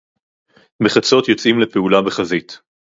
בַּחֲצוֹת יוֹצְאִים לִפְעֻלָּה בַּחֲזִית.